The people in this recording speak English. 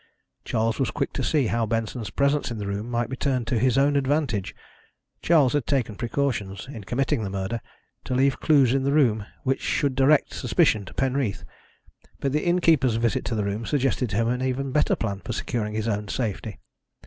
Charles was quick to see how Benson's presence in the room might be turned to his own advantage. Charles had taken precautions, in committing the murder, to leave clues in the room which should direct suspicion to Penreath, but the innkeeper's visit to the room suggested to him an even better plan for securing his own safety.